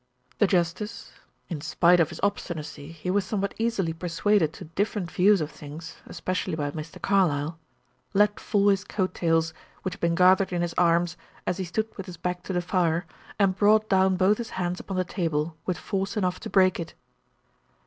The justice in spite of his obstinacy he was somewhat easily persuaded to different views of things, especially by Mr. Carlyle let fall his coat tails, which had been gathered in his arms, as he stood with his back to the fire, and brought down both his hands upon the table with force enough to break it.